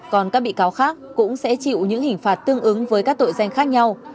còn các bị cáo khác cũng sẽ chịu những hình phạt tương ứng với các tội danh khác nhau